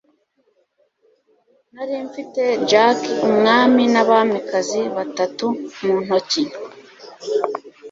Nari mfite jack, umwami n'abamikazi batatu mu ntoki.